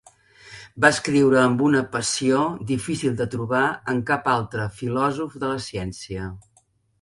Va escriure amb una passió difícil de trobar en cap altre filòsof de la ciència.